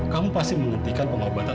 kamu pasti menghentikan pengobatan